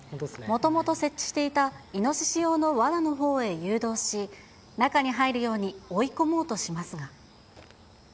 もともと設置していたイノシシ用のわなのほうへ誘導し、中に入るように追い込もうとしますが。